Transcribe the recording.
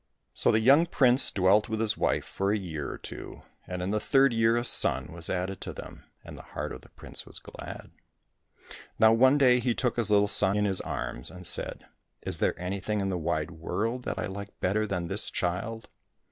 So the young prince dwelt with his wife for a year or two, and in the third year a son was added to them, and the heart of the prince was glad. Now one day he took his little son in his arms, and said, " Is there anything in the wide world that I like better than this child